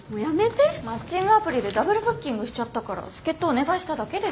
マッチングアプリでダブルブッキングしちゃったから助っ人お願いしただけですよ。